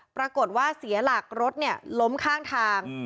ปรากฏว่าเสียหลักรถล้มข้างทาง